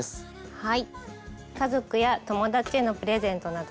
はい。